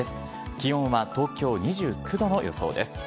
気温は東京２９度の予想です。